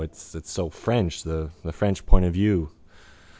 It's so French. The French point of view.